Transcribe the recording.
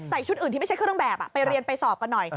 ชุดอื่นที่ไม่ใช่เครื่องแบบไปเรียนไปสอบกันหน่อย